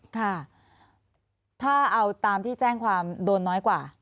ค่ะถ้าเอาตามที่แจ้งความโดนน้อยกว่า